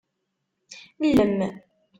Llem.